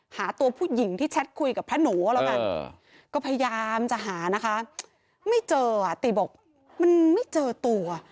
หาตัวผู้หญิงที่แชทคุยกับพระหนูก็แล้วกันก็พยายามจะหานะคะไม่เจออ่ะติบอกมันไม่เจอตัว